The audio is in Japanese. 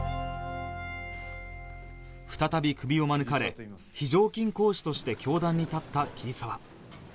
再びクビを免れ非常勤講師として教壇に立った桐沢